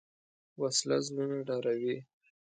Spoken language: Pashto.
وسله زړونه ډاروي